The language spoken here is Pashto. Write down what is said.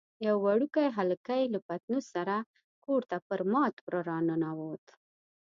یو وړوکی هلکی له پتنوس سره کور ته پر مات وره راننوت.